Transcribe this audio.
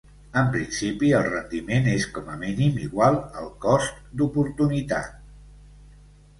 En principi, el rendiment és com a mínim igual al cost d'oportunitat.